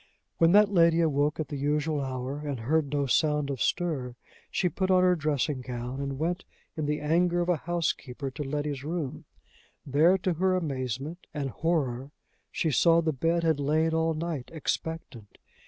When that lady awoke at the usual hour, and heard no sound of stir, she put on her dressing gown, and went, in the anger of a housekeeper, to Letty's room: there, to her amazement and horror, she saw the bed had lain all the night expectant.